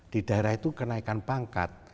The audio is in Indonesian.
di daerah itu kenaikan pangkat